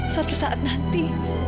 suatu saat nanti